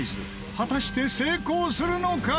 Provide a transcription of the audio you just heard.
果たして成功するのか？